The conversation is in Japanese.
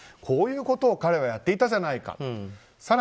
こういうことを彼はやっていたじゃないか。